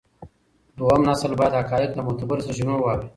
دویم نسل باید حقایق له معتبرو سرچینو واوري.